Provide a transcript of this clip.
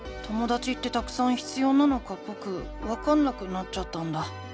ともだちってたくさん必要なのかぼくわかんなくなっちゃったんだ。